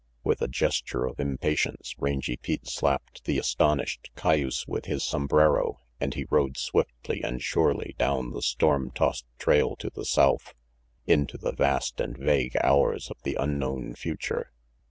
With a gesture of impatience, Rangy Pete slapped the astonished cayuse with his sombrero and he rode swiftly and surely down the storm tossed trail to the south, into the vast and vague hours of the unknown future.